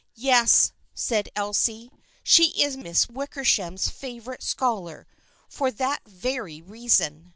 "Yes," said Elsie. " She is Miss Wickersham's favorite scholar, for that very reason.